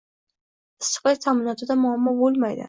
Issiqlik ta’minotida muammo bo‘lmaydi